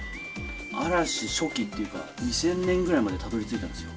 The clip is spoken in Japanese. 嵐初期っていうか、２０００年ぐらいまでたどりついたんですよ。